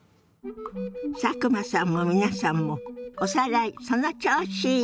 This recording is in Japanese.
佐久間さんも皆さんもおさらいその調子！